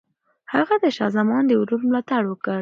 هغه د شاه زمان د ورور ملاتړ وکړ.